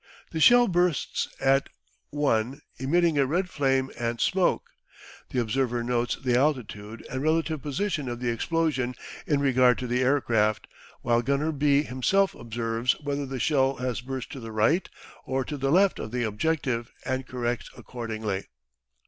The shell bursts at 1 emitting a red flame and smoke. The observer notes the altitude and relative position of the explosion in regard to the aircraft, while gunner B himself observes whether the shell has burst to the right or to the left of the objective and corrects accordingly.